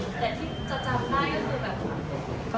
แต่ที่จะจำได้ก็คือแบบ